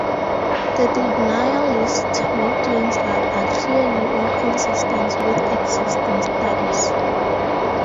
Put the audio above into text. The denialists make claims that are clearly inconsistent with existing studies.